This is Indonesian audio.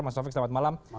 mas taufik selamat malam